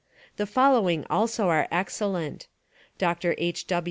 The following also are excellent: Dr. H.